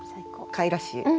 かいらしい。